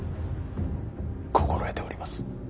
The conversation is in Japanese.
心得ております。